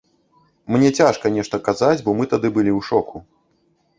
Мне цяжка нешта казаць, бо мы тады былі ў шоку.